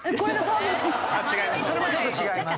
それもちょっと違います。